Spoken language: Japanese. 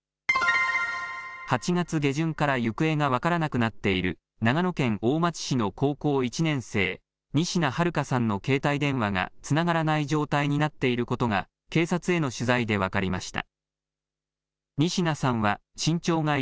８月下旬から行方が分からなくなっている長野県大町市の高校１年生、仁科日花さんの携帯電話がつながらない状態になっていることが警察への取材で分かりました。